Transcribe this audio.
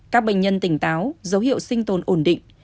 các bệnh nhân tỉnh táo dấu hiệu sinh tồn ổn định